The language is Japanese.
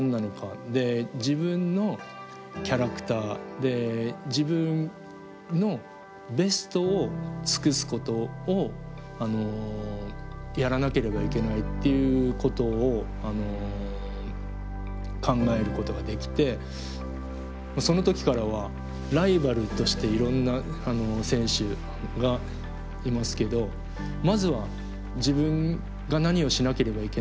で自分のキャラクターで自分のベストを尽くすことをやらなければいけないっていうことを考えることができてその時からはライバルとしていろんな選手がいますけどまずは自分が何をしなければいけないんだ